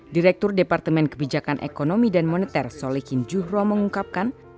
direktur departemen kebijakan ekonomi dan moneter solikin juhro mengungkapkan